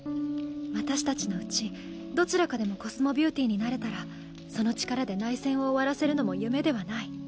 私たちのうちどちらかでもコスモビューティーになれたらその力で内戦を終わらせるのも夢ではない。